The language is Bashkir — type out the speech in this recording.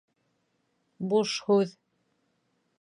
Буш һүҙ!